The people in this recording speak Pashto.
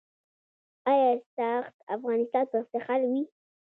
آیا "ساخت افغانستان" به افتخار وي؟